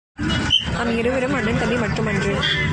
நாம் இருவரும் அண்ணன், தம்பி மட்டுமன்று.